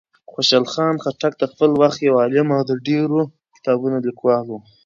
خوشحال خان خټک د خپل وخت یو عالم او د ډېرو کتابونو لیکوال و.